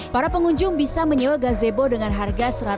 para pengunjung bisa menyebut gazebo dengan harga rp seratus